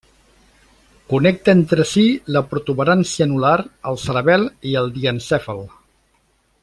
Connecta entre si la protuberància anular, el cerebel i el diencèfal.